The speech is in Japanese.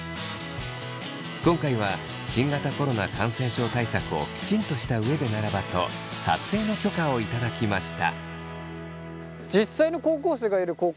今回は新型コロナ感染症対策をきちんとした上でならばと撮影の許可を頂きました。